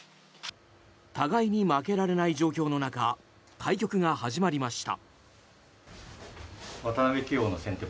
互いに負けられない状況の中対局が始まりました。